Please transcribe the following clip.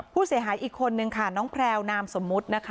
ผู้เสียหายอีกคนนึงค่ะน้องแพลวนามสมมุตินะคะ